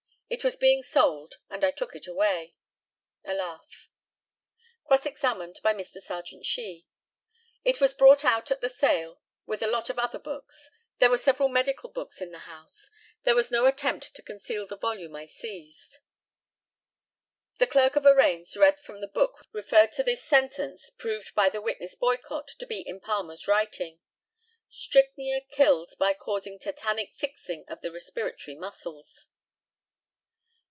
It was being sold, and I took it away. (A laugh.) Cross examined by Mr. Serjeant SHEE: It was brought out at the sale with a lot of other books. There were several medical books in the house. There was no attempt to conceal the volume I seized. The Clerk of Arraigns read from the book referred to this sentence, proved by the witness Boycott to be in Palmer's writing "Strychnia kills by causing tetanic fixing of the respiratory muscles."